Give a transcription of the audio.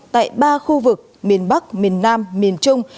tại ba khu vực miền bắc miền nam miền trung